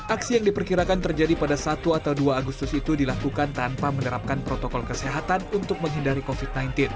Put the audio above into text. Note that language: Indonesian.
aksi yang diperkirakan terjadi pada satu atau dua agustus itu dilakukan tanpa menerapkan protokol kesehatan untuk menghindari covid sembilan belas